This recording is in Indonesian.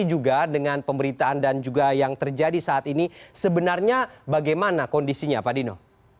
tapi juga dengan pemberitaan dan juga yang terjadi saat ini sebenarnya bagaimana kondisinya pak dino